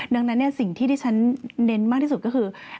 ดังนั้นสิ่งที่ที่ฉันเน้นมากที่สุดก็คือ